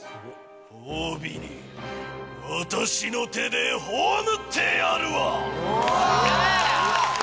褒美に私の手で葬ってやるわ！